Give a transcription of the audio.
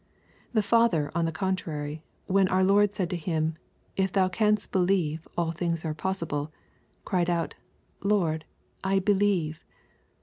*' The father on the contrary, when our Lord said to him, " If thou canst believe, aU tilings are possible," cried out^ *' Lord, I believe."